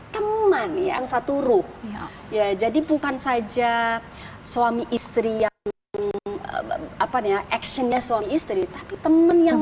teman yang satu ruh ya jadi bukan saja suami istri yang apa namanya actionnya suami istri tapi temen yang